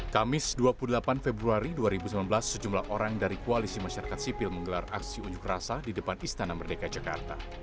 kamis dua puluh delapan februari dua ribu sembilan belas sejumlah orang dari koalisi masyarakat sipil menggelar aksi unjuk rasa di depan istana merdeka jakarta